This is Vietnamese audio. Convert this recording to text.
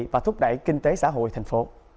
và thúc đẩy kinh tế xã hội tp